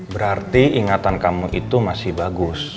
berarti ingatan kamu itu masih bagus